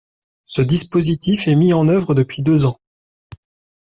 Ce dispositif est mis en œuvre depuis deux ans.